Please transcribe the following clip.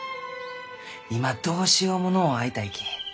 今どうしようものう会いたいき。